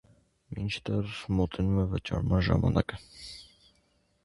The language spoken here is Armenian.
Մինչդեռ մոտենում է վճարման ժամանակը։